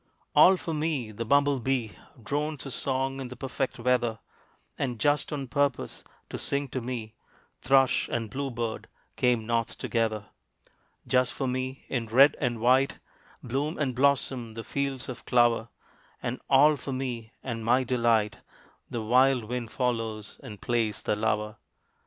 All for me the bumble bee Drones his song in the perfect weather; And, just on purpose to sing to me, Thrush and blue bird came North together. Just for me, in red and white, Bloom and blossom the fields of clover; And all for me and my delight The wild Wind follows and plays the lover.